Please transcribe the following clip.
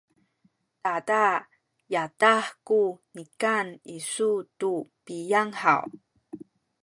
tada yadah ku nikan isu tu piyang haw?